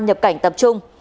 nhập cảnh tập trung